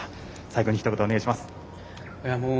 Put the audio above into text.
最後にひと言お願いします。